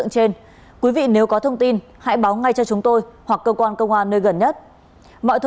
xin chào và hẹn gặp lại